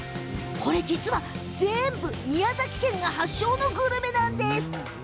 これ、全部宮崎県が発祥のグルメなんです！